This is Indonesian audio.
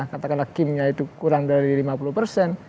katakanlah kimnya itu kurang dari lima puluh persen